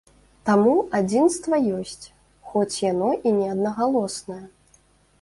Таму, адзінства ёсць, хоць яно і не аднагалоснае.